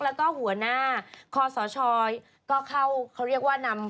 แล้วก็หัวหน้าคอสชก็เข้าเขาเรียกว่านำ